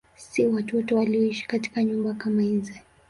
Si watu wote walioishi katika nyumba kama hizi.